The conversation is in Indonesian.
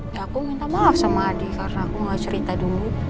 ya aku minta maaf sama adi karena aku gak cerita dulu